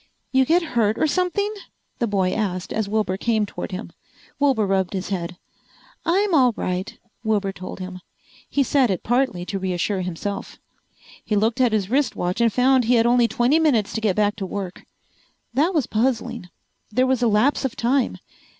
"You get hurt or something?" the boy asked as Wilbur came toward him. Wilbur rubbed his head. "I'm all right," Wilbur told him. He said it partly to reassure himself. He looked at his wrist watch and found he had only twenty minutes to get back to work. That was puzzling. There was a lapse of time.